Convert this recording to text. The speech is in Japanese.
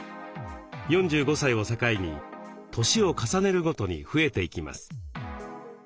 ４５歳を境に年を重ねるごとに増えていきます。